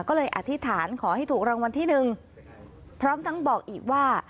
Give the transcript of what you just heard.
ก็เลยอธิษฐานขอให้ถูกรางวัลที่หนึ่งพร้อมทั้งบอกอีกว่า